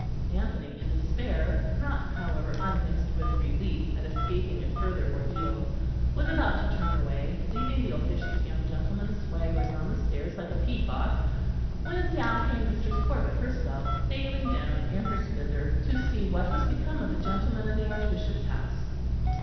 Anthony, in despair, not however unmixed with relief at escaping a further ordeal, was about to turn away, leaving the officious young gentleman swaggering on the stairs like a peacock, when down came Mistress Corbet herself, sailing down in her splendour, to see what was become of the gentleman of the Archbishop's house.